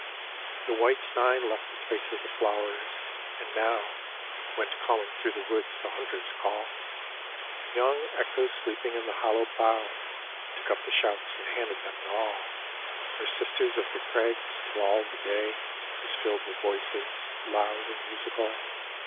The white nine left the spaces of flowers, and now 144 A DREAM OF ARTEMIS Went calling thro' the woods the hunter's call. Young echoes sleeping in the hollow bough Took up the shouts and handed them to all Their sisters of the crags, 'til all the day Was filled with voices loud and musical.